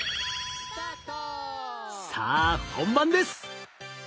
さあ本番です。